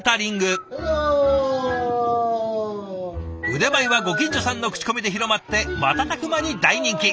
腕前はご近所さんの口コミで広まって瞬く間に大人気。